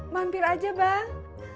mampir aja bang